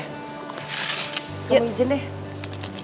kamu ijin deh